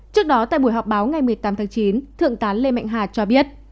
trước đó tại buổi họp báo ngày một mươi tám tháng chín thượng tá lê mạnh hà cho biết